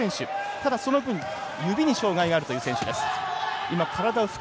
ただ、その分指に障がいがあるという選手。